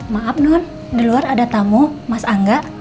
maaf non di luar ada tamu mas angga